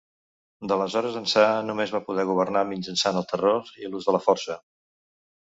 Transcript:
D'aleshores ençà, només va poder governar mitjançant el terror i l'ús de la força.